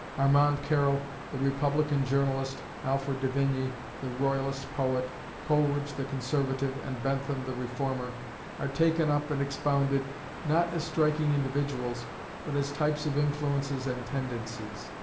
Armand Carrel the Republican journalist, Alfred de Vigny the Royalist poet, Coleridge the Conservative, and Bentham the Reformer, are taken up and expounded, not as striking individuals, but as types of influences and tendencies.